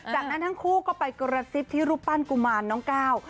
จากนั้นทั้งคู่ก็ไปกระซิบที่รูปปั้นกุมารน้องก้าว